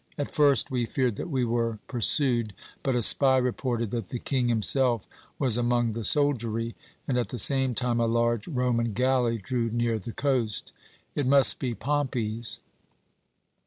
At first we feared that we were pursued; but a spy reported that the King himself was among the soldiery, and at the same time a large Roman galley drew near the coast. It must be Pompey's.